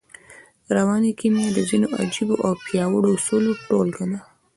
رواني کيميا د ځينو عجييو او پياوړو اصولو ټولګه ده.